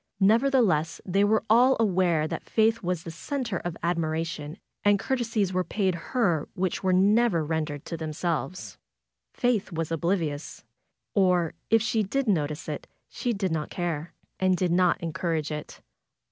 Nevertheless they were all aware that Faith was the center of admiration, and courtesies were paid her which were never rendered to themselves. Faith was oblivious. Or if she did notice it she did not care, and did not encourage it.